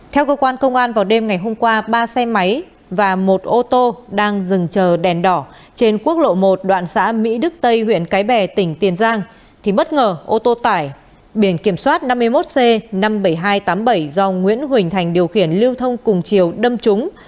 theo cơ quan công an vào đêm ngày hôm qua ba xe máy và một ô tô đang dừng chờ đèn đỏ trên quốc lộ một đoạn xã mỹ đức tây huyện cái bè tỉnh tiền giang thì bất ngờ ô tô tải biển kiểm soát năm mươi một c năm mươi bảy nghìn hai trăm tám mươi bảy do nguyễn huỳnh thành điều khiển lưu thông cùng chiều đâm trúng